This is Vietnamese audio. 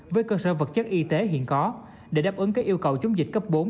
với cơ sở vật chất y tế hiện có để đáp ứng các yêu cầu chống dịch cấp bốn